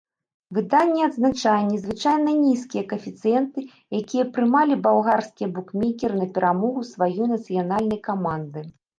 Выданне адзначае незвычайна нізкія каэфіцыенты, якія прымалі балгарскія букмекеры на перамогу сваёй нацыянальнай каманды.